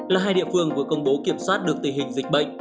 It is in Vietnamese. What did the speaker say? là hai địa phương vừa công bố kiểm soát được tình hình dịch bệnh